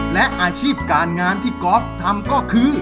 และอาชีพการงานที่กอล์ฟทำก็คือ